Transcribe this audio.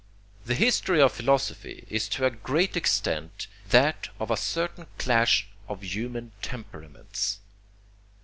The history of philosophy is to a great extent that of a certain clash of human temperaments.